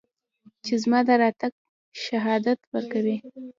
چې زما د راتګ شهادت ورکوي